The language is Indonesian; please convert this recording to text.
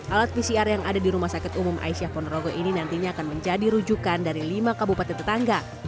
alat pcr yang ada di rumah sakit umum aisyah ponorogo ini nantinya akan menjadi rujukan dari lima kabupaten tetangga